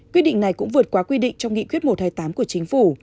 quyết định này cũng vượt qua quy định trong nghị quyết một trăm hai mươi tám của chính phủ